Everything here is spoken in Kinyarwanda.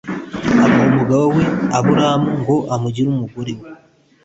amuha umugabo we aburamu ngo amugire umugore we